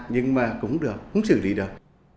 nhưng mà cũng không xử lý được